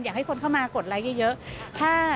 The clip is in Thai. ให้คนเข้ามากดไลค์เยอะ